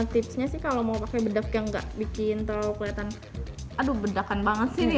tipsnya sih kalau mau pakai bedak yang gak bikin terlalu kelihatan aduh bedakan banget sih